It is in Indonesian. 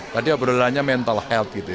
tadi obrolannya mental health gitu ya